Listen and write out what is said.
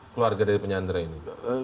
keluarga dari penyandra ini